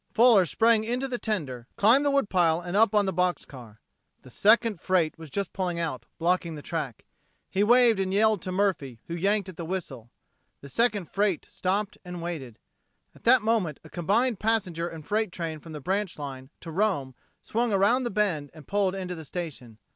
Fuller sprang into the tender, climbed the wood pile and up on the box car. The second freight was just pulling out, blocking the track. He waved and yelled to Murphy, who yanked at the whistle. The second freight stopped and waited. At that moment a combined passenger and freight train from the branch line to Rome swung around the bend and pulled into the station.